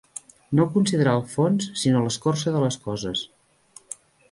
No considerar el fons, sinó l'escorça de les coses.